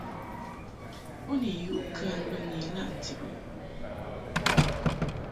U ni yuʼ kan bə ni ilaʼ ndib ɨ ?